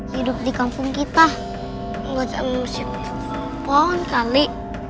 hidup di kampung kita nggak ada mesin pohon kali